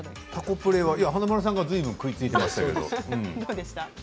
プレには華丸さんがずいぶん食いついていましたよ。